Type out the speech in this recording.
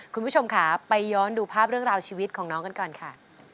คุณผู้ชมค่ะไปย้อนดูภาพเรื่องราวชีวิตของน้องกันก่อนค่ะ